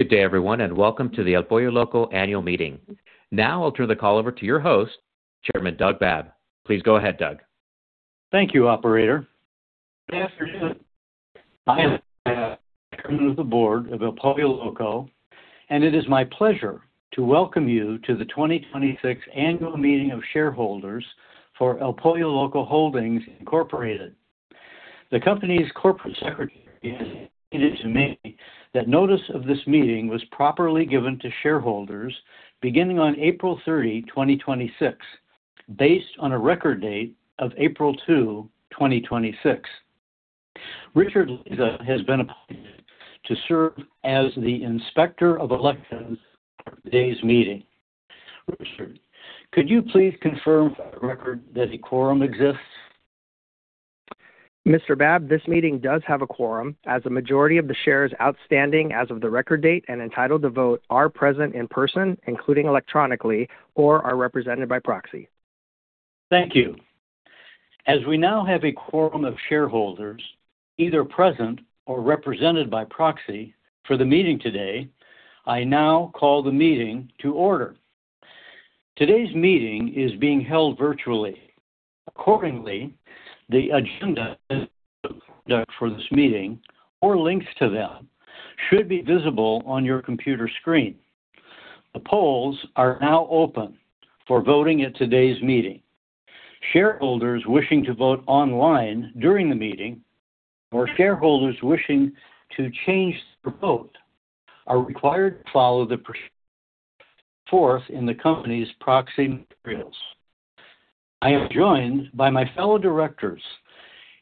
Good day everyone, and welcome to the El Pollo Loco annual meeting. Now I'll turn the call over to your host, Chairman Doug Babb. Please go ahead, Doug. Thank you, operator. Good afternoon. I am a director of the board of El Pollo Loco, and it is my pleasure to welcome you to the 2026 annual meeting of shareholders for El Pollo Loco Holdings, Inc. The company's Corporate Secretary has indicated to me that notice of this meeting was properly given to shareholders beginning on April 30, 2026, based on a record date of April 2, 2026. Richard Leza has been appointed to serve as the Inspector of Elections for today's meeting. Richard, could you please confirm for the record that a quorum exists? Mr. Babb, this meeting does have a quorum as a majority of the shares outstanding as of the record date and entitled to vote are present in person, including electronically, or are represented by proxy. Thank you. As we now have a quorum of shareholders, either present or represented by proxy for the meeting today, I now call the meeting to order. Today's meeting is being held virtually. Accordingly, the agenda for this meeting or links to them should be visible on your computer screen. The polls are now open for voting at today's meeting. Shareholders wishing to vote online during the meeting or shareholders wishing to change their vote are required to follow the procedure set forth in the company's proxy materials. I am joined by my fellow directors,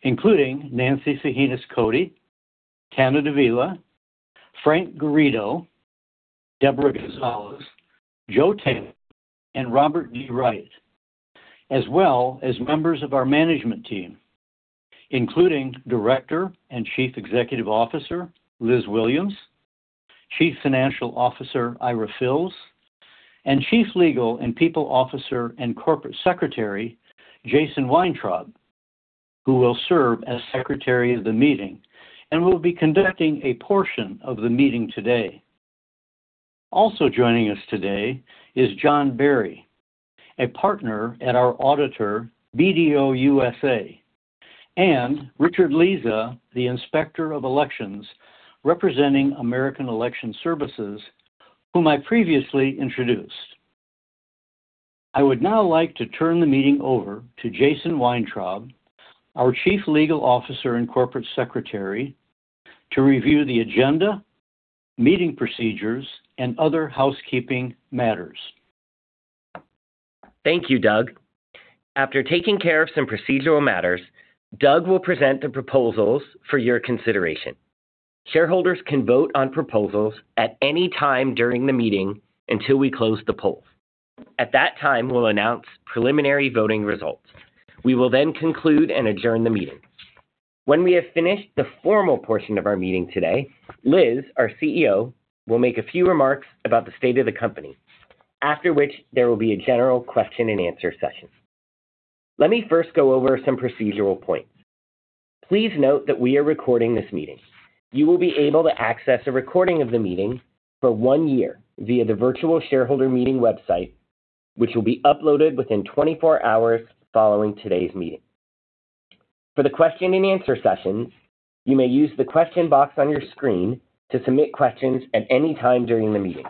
including Nancy Faginas-Cody, Tana Davila, Frank Garrido, Deborah Gonzalez, Joe Taylor, and Robert D. Wright. As well as members of our management team, including Director and Chief Executive Officer, Liz Williams, Chief Financial Officer, Ira Fils, and Chief Legal and People Officer and Corporate Secretary, Jason Weintraub, who will serve as Secretary of the meeting and will be conducting a portion of the meeting today. Also joining us today is John Berry, a partner at our auditor, BDO USA, and Richard Leza, the Inspector of Elections, representing American Election Services, whom I previously introduced. I would now like to turn the meeting over to Jason Weintraub, our Chief Legal Officer and Corporate Secretary, to review the agenda, meeting procedures, and other housekeeping matters. Thank you, Doug. After taking care of some procedural matters, Doug will present the proposals for your consideration. Shareholders can vote on proposals at any time during the meeting until we close the polls. At that time, we'll announce preliminary voting results. We will conclude and adjourn the meeting. When we have finished the formal portion of our meeting today, Liz, our CEO, will make a few remarks about the state of the company, after which there will be a general question and answer session. Let me first go over some procedural points. Please note that we are recording this meeting. You will be able to access a recording of the meeting for one year via the virtual shareholder meeting website, which will be uploaded within 24 hours following today's meeting. For the question-and-answer sessions, you may use the question box on your screen to submit questions at any time during the meeting.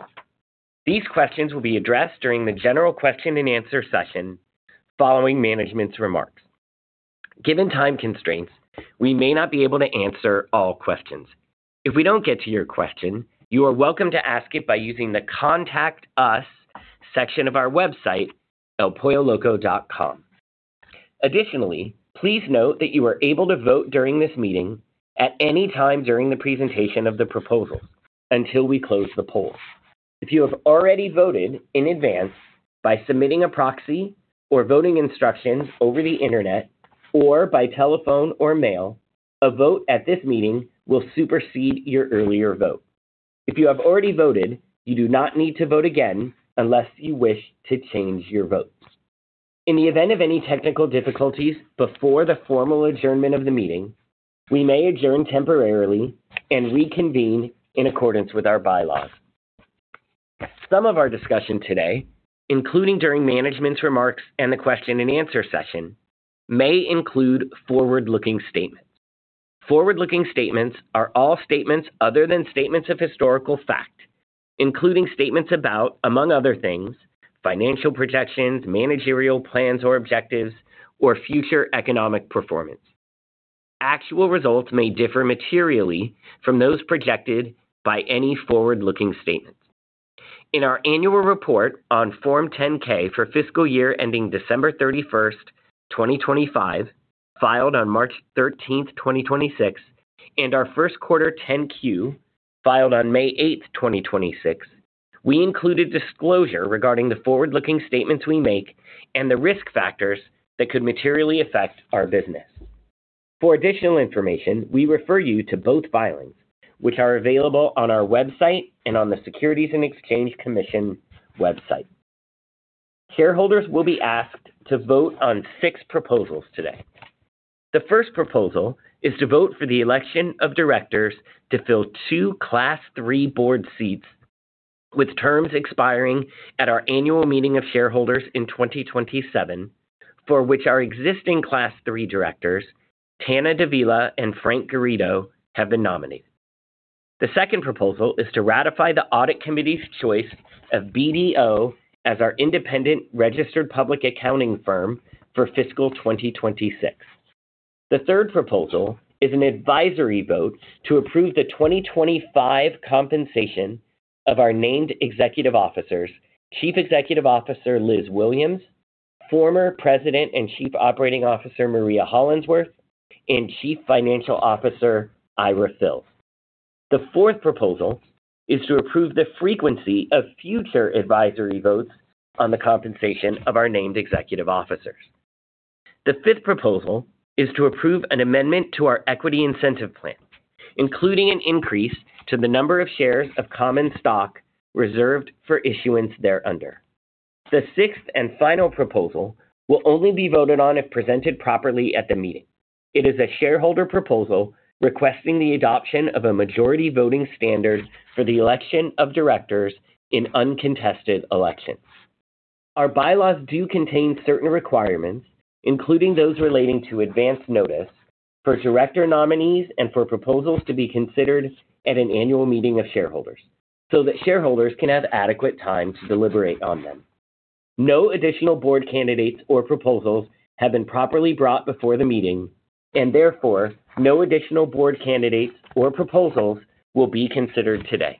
These questions will be addressed during the general question-and-answer session following management's remarks. Given time constraints, we may not be able to answer all questions. If we don't get to your question, you are welcome to ask it by using the Contact Us section of our website, elpolloloco.com. Additionally, please note that you are able to vote during this meeting at any time during the presentation of the proposal until we close the polls. If you have already voted in advance by submitting a proxy or voting instructions over the Internet or by telephone or mail, a vote at this meeting will supersede your earlier vote. If you have already voted, you do not need to vote again unless you wish to change your vote. In the event of any technical difficulties before the formal adjournment of the meeting, we may adjourn temporarily and reconvene in accordance with our bylaws. Some of our discussion today, including during management's remarks and the question-and-answer session, may include forward-looking statements. Forward-looking statements are all statements other than statements of historical fact, including statements about, among other things, financial projections, managerial plans or objectives, or future economic performance. Actual results may differ materially from those projected by any forward-looking statement. In our annual report on Form 10-K for fiscal year ending December 31st, 2025, filed on March 13th, 2026, and our first quarter 10-Q, filed on May 8th, 2026, we include a disclosure regarding the forward-looking statements we make and the risk factors that could materially affect our business. For additional information, we refer you to both filings, which are available on our website and on the Securities and Exchange Commission website. Shareholders will be asked to vote on six proposals today. The first proposal is to vote for the election of directors to fill two Class III board seats with terms expiring at our annual meeting of shareholders in 2027, for which our existing Class III directors, Tana Davila and Frank Garrido, have been nominated. The second proposal is to ratify the audit committee's choice of BDO as our independent registered public accounting firm for fiscal 2026. The third proposal is an advisory vote to approve the 2025 compensation of our named executive officers, Chief Executive Officer Liz Williams, former President and Chief Operating Officer Maria Hollandsworth, and Chief Financial Officer Ira Fils. The fourth proposal is to approve the frequency of future advisory votes on the compensation of our named executive officers. The fifth proposal is to approve an amendment to our equity incentive plan, including an increase to the number of shares of common stock reserved for issuance thereunder. The sixth and final proposal will only be voted on if presented properly at the meeting. It is a shareholder proposal requesting the adoption of a majority voting standard for the election of directors in uncontested elections. Our bylaws do contain certain requirements, including those relating to advance notice for director nominees and for proposals to be considered at an annual meeting of shareholders so that shareholders can have adequate time to deliberate on them. No additional board candidates or proposals have been properly brought before the meeting, and therefore, no additional board candidates or proposals will be considered today.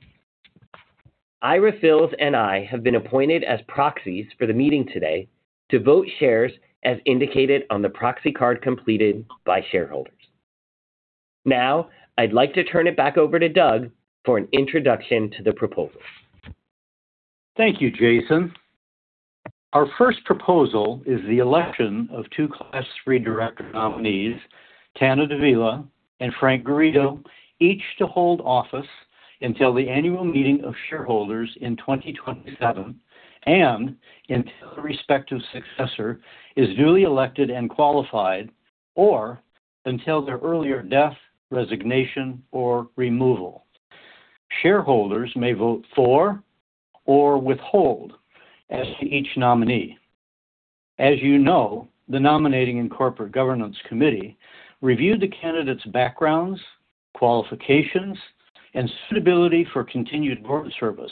Ira Fils and I have been appointed as proxies for the meeting today to vote shares as indicated on the proxy card completed by shareholders. I'd like to turn it back over to Doug for an introduction to the proposals. Thank you, Jason. Our first proposal is the election of two Class III director nominees, Tana Davila and Frank Garrido, each to hold office until the annual meeting of shareholders in 2027 and until a respective successor is duly elected and qualified, or until their earlier death, resignation, or removal. Shareholders may vote for or withhold as to each nominee. As you know, the nominating and corporate governance committee reviewed the candidates' backgrounds, qualifications, and suitability for continued board service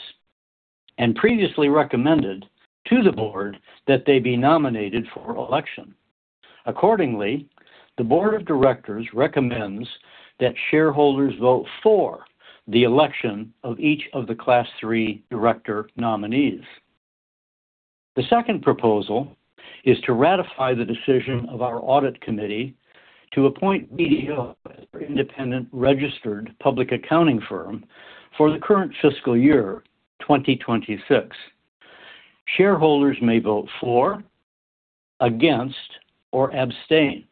and previously recommended to the board that they be nominated for election. Accordingly, the board of directors recommends that shareholders vote for the election of each of the Class III director nominees. The second proposal is to ratify the decision of our audit committee to appoint BDO as our independent registered public accounting firm for the current fiscal year 2026. Shareholders may vote for, against, or abstain.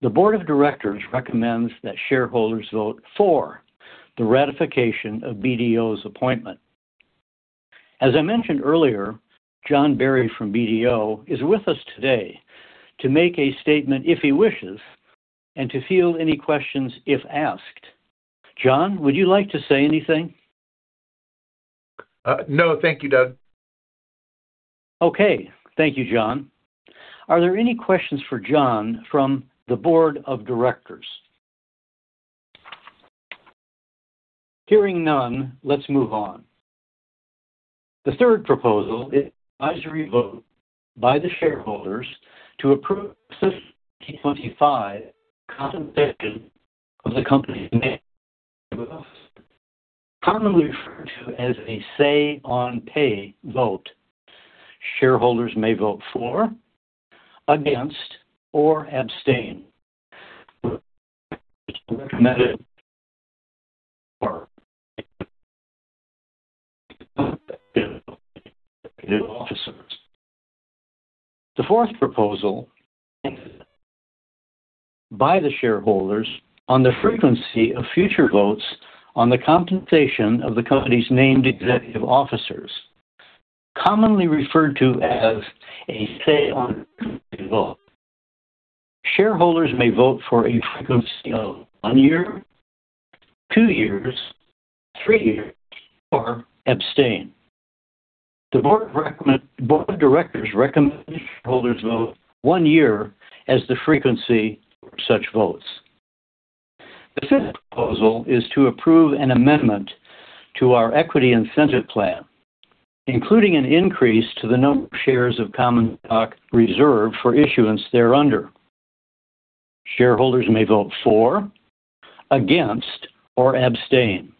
The board of directors recommends that shareholders vote for the ratification of BDO's appointment. As I mentioned earlier, John Berry from BDO is with us today to make a statement if he wishes and to field any questions if asked. John, would you like to say anything? No, thank you, Doug. Okay. Thank you, John. Are there any questions for John from the board of directors? Hearing none, let's move on. The third proposal is an advisory vote by the shareholders to approve the 2025 compensation of the company's named executive officers, commonly referred to as a say-on-pay vote. Shareholders may vote for, against, or abstain. The board of directors recommends that shareholders vote for the approval of the company's named executive officers. The fourth proposal is an advisory vote by the shareholders on the frequency of future votes on the compensation of the company's named executive officers, commonly referred to as a say-on-frequency vote. Shareholders may vote for a frequency of one year, two years, three years, or abstain. The board of directors recommends that shareholders vote one year as the frequency for such votes. The fifth proposal is to approve an amendment to our equity incentive plan, including an increase to the number of shares of common stock reserved for issuance thereunder. Shareholders may vote for, against, or abstain.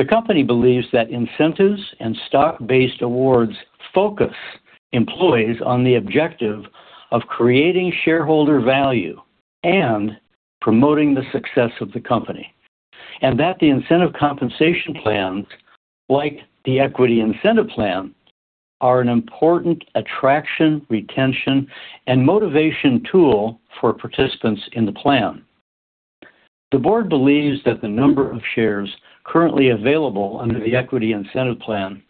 The company believes that incentives and stock-based awards focus employees on the objective of creating shareholder value and promoting the success of the company, and that the incentive compensation plans, like the equity incentive plan, are an important attraction, retention, and motivation tool for participants in the plan. The board believes that the number of shares currently available under the equity incentive plan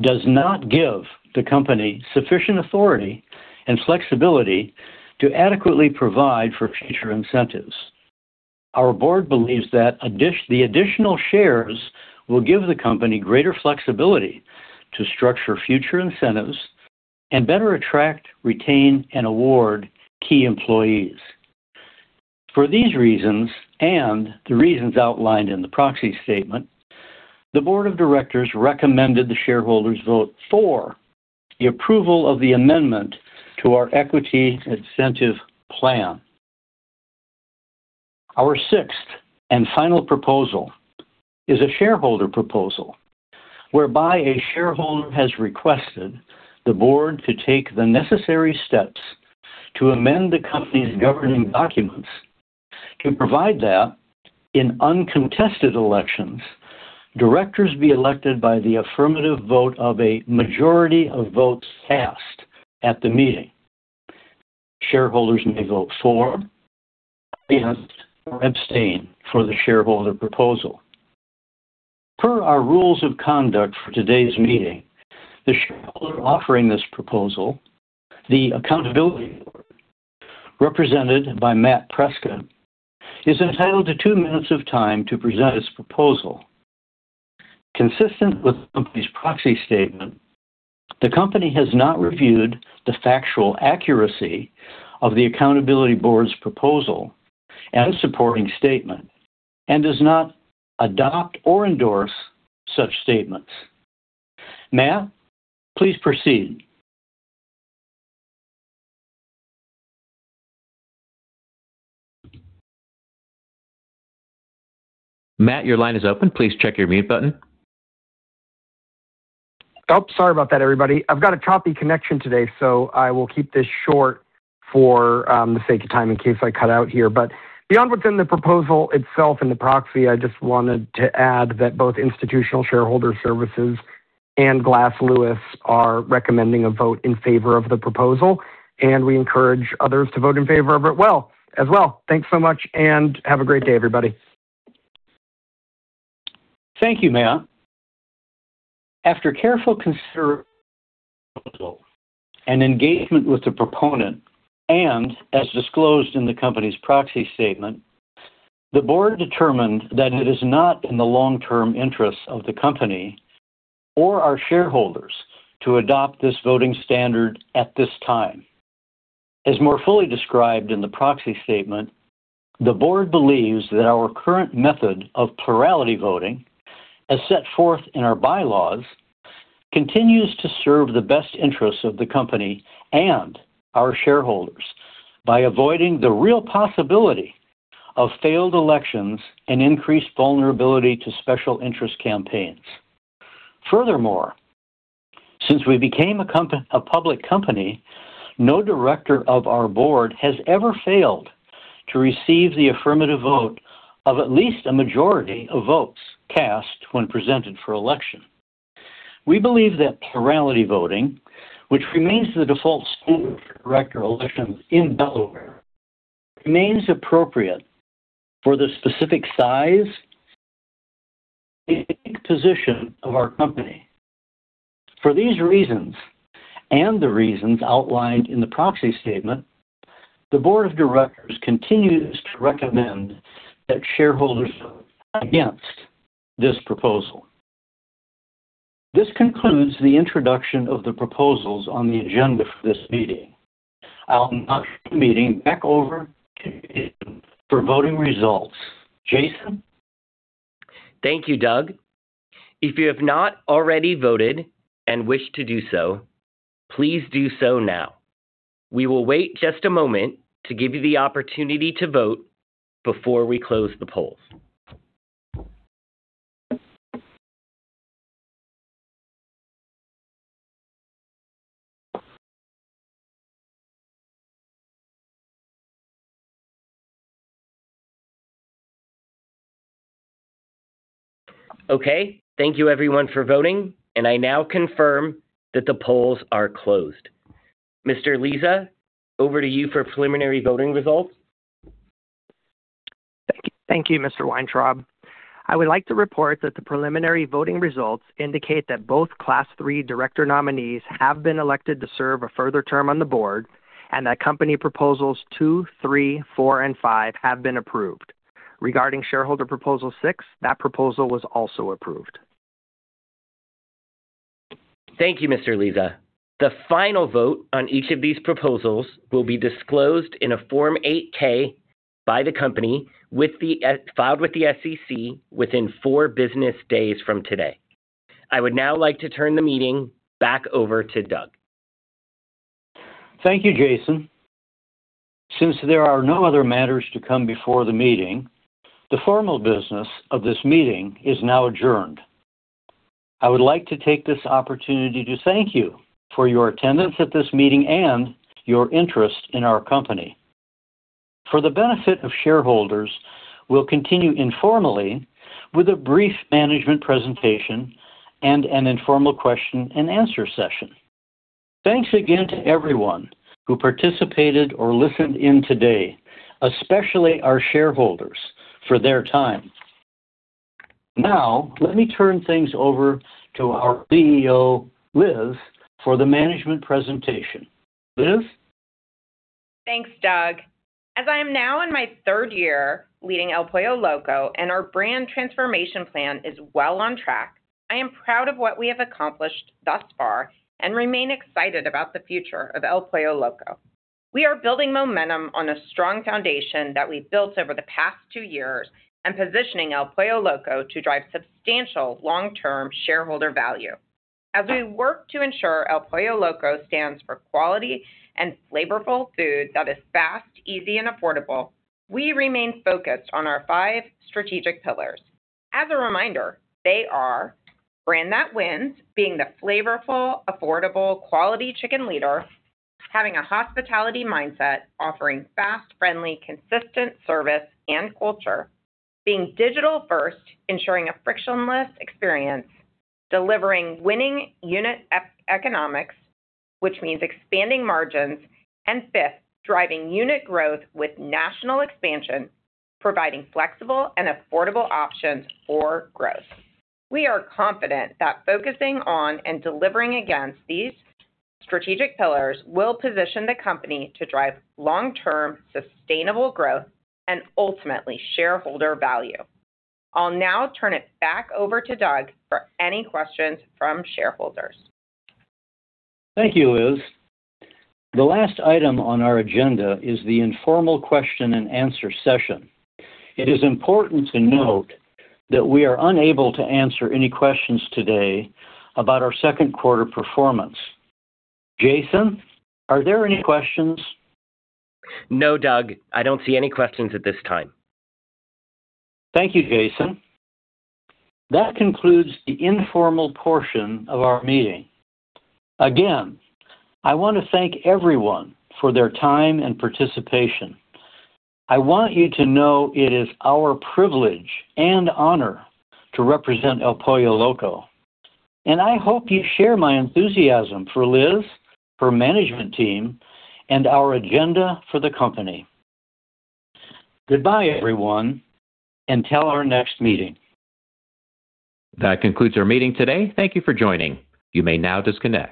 does not give the company sufficient authority and flexibility to adequately provide for future incentives. Our board believes that the additional shares will give the company greater flexibility to structure future incentives and better attract, retain, and award key employees. For these reasons, and the reasons outlined in the proxy statement, the board of directors recommended the shareholders vote for the approval of the amendment to our equity incentive plan. Our sixth and final proposal is a shareholder proposal whereby a shareholder has requested the board to take the necessary steps to amend the company's governing documents to provide that in uncontested elections, directors be elected by the affirmative vote of a majority of votes cast at the meeting. Shareholders may vote for, against, or abstain for the shareholder proposal. Per our rules of conduct for today's meeting, the shareholder offering this proposal, The Accountability Board, represented by Matt Prescott , is entitled to two minutes of time to present his proposal. Consistent with the company's proxy statement, the company has not reviewed the factual accuracy of The Accountability Board's proposal and supporting statement and does not adopt or endorse such statements. Matt, please proceed. Matt, your line is open. Please check your mute button. Oh, sorry about that, everybody. I've got a choppy connection today, so I will keep this short for the sake of time in case I cut out here. Beyond within the proposal itself and the proxy, I just wanted to add that both Institutional Shareholder Services and Glass Lewis are recommending a vote in favor of the proposal, and we encourage others to vote in favor of it as well. Thanks so much and have a great day, everybody. Thank you, Matt. After careful consideration of the proposal and engagement with the proponent, as disclosed in the company's proxy statement, the Board determined that it is not in the long-term interest of the company or our shareholders to adopt this voting standard at this time. As more fully described in the proxy statement, the Board believes that our current method of plurality voting, as set forth in our bylaws, continues to serve the best interest of the company and our shareholders by avoiding the real possibility of failed elections and increased vulnerability to special interest campaigns. Furthermore, since we became a public company, no director of our Board has ever failed to receive the affirmative vote of at least a majority of votes cast when presented for election. We believe that plurality voting, which remains the default standard for director elections in Delaware, remains appropriate for the specific size and unique position of our company. For these reasons, and the reasons outlined in the proxy statement, the board of directors continues to recommend that shareholders vote against this proposal. This concludes the introduction of the proposals on the agenda for this meeting. I'll now turn the meeting back over to Jason for voting results. Jason? Thank you, Doug. If you have not already voted and wish to do so, please do so now. We will wait just a moment to give you the opportunity to vote before we close the polls. Okay. Thank you everyone for voting, and I now confirm that the polls are closed. Mr. Leza, over to you for preliminary voting results. Thank you, Mr. Weintraub. I would like to report that the preliminary voting results indicate that both Class III director nominees have been elected to serve a further term on the board and that company proposals two, three, four, and five have been approved. Regarding shareholder proposal six, that proposal was also approved. Thank you, Mr. Leza. The final vote on each of these proposals will be disclosed in a Form 8-K by the company filed with the SEC within four business days from today. I would now like to turn the meeting back over to Doug. Thank you, Jason. Since there are no other matters to come before the meeting, the formal business of this meeting is now adjourned. I would like to take this opportunity to thank you for your attendance at this meeting and your interest in our company. For the benefit of shareholders, we'll continue informally with a brief management presentation and an informal question-and-answer session. Thanks again to everyone who participated or listened in today, especially our shareholders for their time. Let me turn things over to our CEO, Liz, for the management presentation. Liz? Thanks, Doug Babb. As I am now in my third year leading El Pollo Loco, and our brand transformation plan is well on track. I am proud of what we have accomplished thus far and remain excited about the future of El Pollo Loco. We are building momentum on a strong foundation that we've built over the past two years and positioning El Pollo Loco to drive substantial long-term shareholder value. As we work to ensure El Pollo Loco stands for quality and flavorful food that is fast, easy, and affordable, we remain focused on our five strategic pillars. As a reminder, they are brand that wins, being the flavorful, affordable, quality chicken leader. Having a hospitality mindset, offering fast, friendly, consistent service and culture. Being digital first, ensuring a frictionless experience. Delivering winning unit economics, which means expanding margins. Fifth, driving unit growth with national expansion, providing flexible and affordable options for growth. We are confident that focusing on and delivering against these strategic pillars will position the company to drive long-term sustainable growth and ultimately shareholder value. I'll now turn it back over to Doug for any questions from shareholders. Thank you, Liz. The last item on our agenda is the informal question-and-answer session. It is important to note that we are unable to answer any questions today about our second quarter performance. Jason, are there any questions? No, Doug, I don't see any questions at this time. Thank you, Jason. That concludes the informal portion of our meeting. Again, I want to thank everyone for their time and participation. I want you to know it is our privilege and honor to represent El Pollo Loco, and I hope you share my enthusiasm for Liz, her management team, and our agenda for the company. Goodbye everyone, until our next meeting. That concludes our meeting today. Thank you for joining. You may now disconnect.